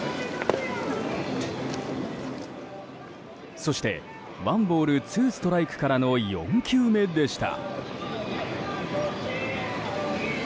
そして、ワンボールツーストライクからの４球目でした。